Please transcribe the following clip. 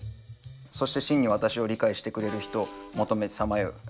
そして真に私を理解してくれる人を求めさまよう。